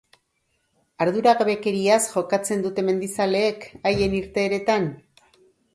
Arduragabekeriaz jokatzen dute mendizaleek haien irteeretan?